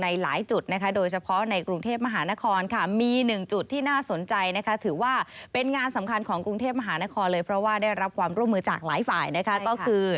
หลายจุดนะคะโดยเฉพาะในกรุงเทพมหานครค่ะมีหนึ่งจุดที่น่าสนใจนะคะถือว่าเป็นงานสำคัญของกรุงเทพมหานครเลยเพราะว่าได้รับความร่วมมือจากหลายฝ่ายนะคะก็คือ